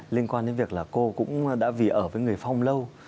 liên quan đến việc là cô cũng đã vì ở với người phong lâu